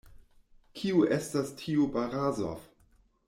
Kiu estas tiu Barazof?